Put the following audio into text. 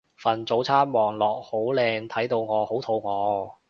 份早餐望落好靚睇到我好肚餓